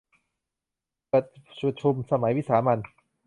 เปิดประชุมสมัยวิสามัญ